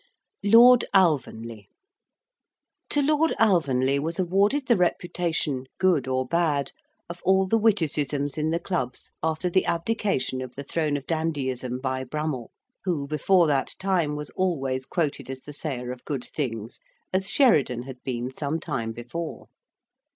LORD ALVANLEY To Lord Alvanley was awarded the reputation, good or bad, of all the witticisms in the clubs after the abdication of the throne of dandyism by Brummell; who, before that time, was always quoted as the sayer of good things, as Sheridan had been some time before.